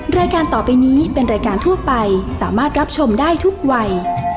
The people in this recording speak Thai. รายการต่อไปนี้เป็นรายการทั่วไปสามารถรับชมได้ทุกวัย